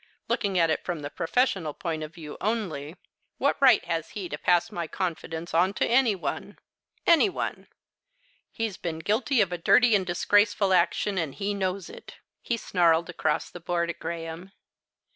Looking at it from the professional point of view only, what right has he to pass my confidence on to any one? any one! He's been guilty of a dirty and disgraceful action, and he knows it. You know it, you do." He snarled across the board at Graham.